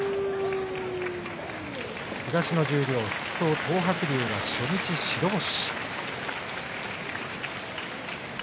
東の十両筆頭東白龍が初日白星。